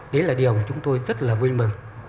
đấy là điều chúng tôi rất là vui mừng